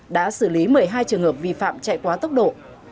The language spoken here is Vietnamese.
đã xử lý một mươi hai trường hợp vi phạm chạy quá tốc độ